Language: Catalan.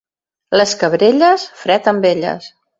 Les cabrelles, fred amb elles.